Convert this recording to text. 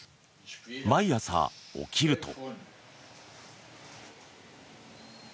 毎朝、起きると。